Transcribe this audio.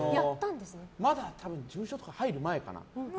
まだ事務所とか入る前かな。